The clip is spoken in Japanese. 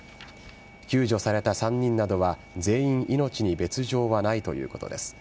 救助された３人などは全員命に別条はないということです。